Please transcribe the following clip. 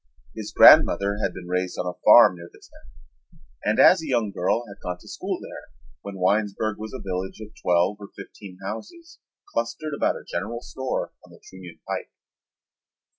His grandmother had been raised on a farm near the town and as a young girl had gone to school there when Winesburg was a village of twelve or fifteen houses clustered about a general store on the Trunion Pike.